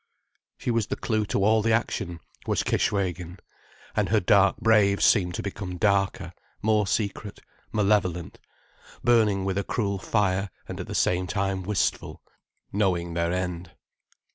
She was the clue to all the action, was Kishwégin. And her dark braves seemed to become darker, more secret, malevolent, burning with a cruel fire, and at the same time wistful, knowing their end.